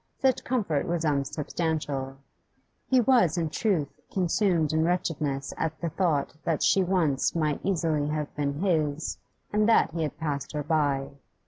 Such comfort was unsubstantial; he was, in truth, consumed in wretchedness at the thought that she once might easily have been his, and that he had passed her by.